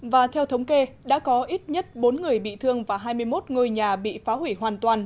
và theo thống kê đã có ít nhất bốn người bị thương và hai mươi một ngôi nhà bị phá hủy hoàn toàn